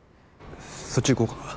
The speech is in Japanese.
そっち行こうか？